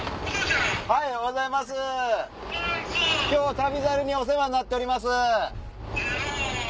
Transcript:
『旅猿』にお世話になっております。